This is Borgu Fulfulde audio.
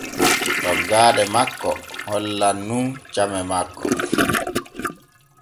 Toggaaɗe makko hollan nun came makko.